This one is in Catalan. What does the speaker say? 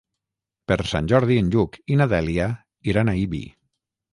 Per Sant Jordi en Lluc i na Dèlia iran a Ibi.